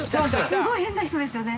すごい変な人ですよね。。